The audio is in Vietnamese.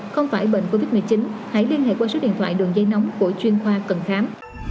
không phải bệnh covid một mươi chín hãy liên hệ qua số điện thoại đường dây nóng của chuyên khoa cần khám